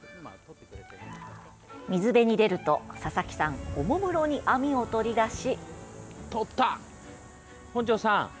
水辺に出ると、佐々木さんおもむろに網を取り出し。